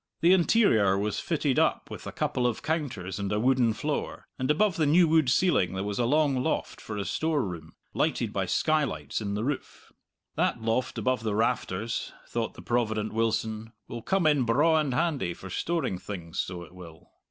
The interior was fitted up with a couple of counters and a wooden floor; and above the new wood ceiling there was a long loft for a storeroom, lighted by skylights in the roof. That loft above the rafters, thought the provident Wilson, will come in braw and handy for storing things, so it will.